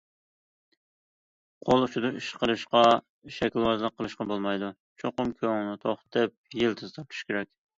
قول ئۇچىدا ئىش قىلىشقا، شەكىلۋازلىق قىلىشقا بولمايدۇ، چوقۇم كۆڭۈلنى توختىتىپ، يىلتىز تارتىش كېرەك.